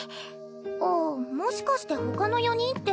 あっもしかしてほかの４人って。